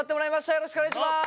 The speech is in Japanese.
よろしくお願いします。